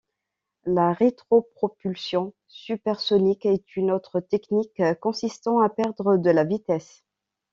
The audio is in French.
La rétropropulsion supersonique est une autre technique consistant à perdre de la vitesse.